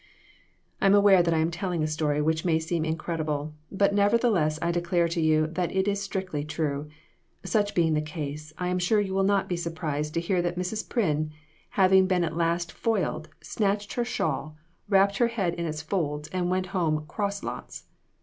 I am aware that I am telling a story which may seem incredible, but nevertheless I declare to you that it is strictly true ; such being the case, I am sure you will not be surprised to hear that Mrs. Pryn, having been at last foiled, snatched her shawl, wrapped her head in its folds, and went home "cross lots."